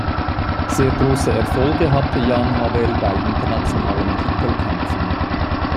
Sehr große Erfolge hatte Jan Havel bei internationalen Titelkämpfen.